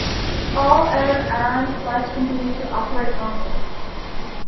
All Aer Arann flights continued to operate normally.